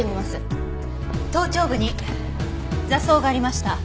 頭頂部に挫創がありました。